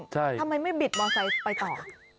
ทำไมไม่บิดมอเตอร์ไซค์ไปต่อ